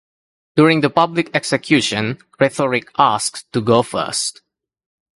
During the public execution, Rhetoric asks to go first.